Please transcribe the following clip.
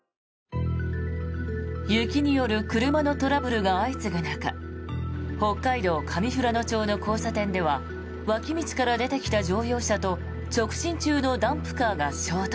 雪による車のトラブルが相次ぐ中北海道上富良野町の交差点では脇道から出てきた乗用車と直進中のダンプカーが衝突。